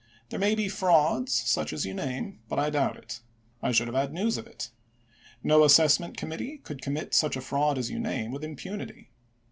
There may be frauds, such as you name, but I doubt it. I should have had news of it. No assessment committee could commit such a fraud as you name with impunity.